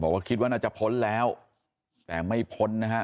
ว่าคิดว่าน่าจะพ้นแล้วแต่ไม่พ้นนะฮะ